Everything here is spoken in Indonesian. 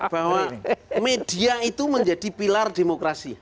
bahwa media itu menjadi pilar demokrasi